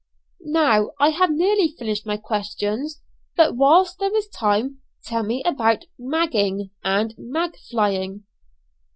"Now I have nearly finished my questions, but whilst there is time tell me about 'magging,' and 'mag flying.'"